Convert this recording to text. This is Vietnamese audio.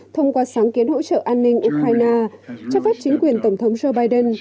thông qua sáng kiến hỗ trợ an ninh ukraine cho phép chính quyền tổng thống joe biden